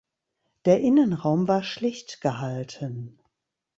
Der Innenraum war schlicht gehalten.